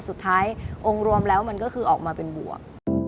องค์รวมแล้วมันก็คือออกมาเป็นบวก